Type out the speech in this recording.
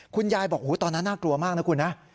คุณยายบอกตอนนั้นน่ากลัวมากนะคุณนะ